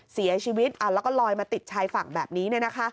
เสียชีวิตแล้วก็ลอยมาติดชายฝั่งแบบนี้